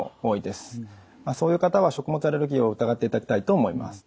そういう方は食物アレルギーを疑っていただきたいと思います。